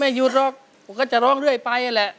หยุดหรอกผมก็จะร้องเรื่อยไปนั่นแหละ